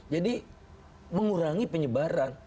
jadi mengurangi penyebaran